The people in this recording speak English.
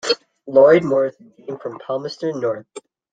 Lloyd Morrison came from Palmerston North.